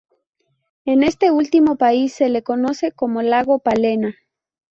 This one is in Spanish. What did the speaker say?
En este último país se lo conoce como Lago Palena.